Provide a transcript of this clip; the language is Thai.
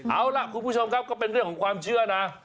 เอาล่ะคุณผู้ชมครับก็เป็นเรื่องของความเชื่อนะ